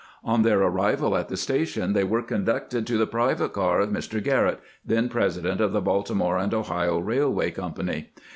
On their arrival at the station, they were conducted to the private car of Mr. Garrett, then president of the Baltimore and Ohio railway company.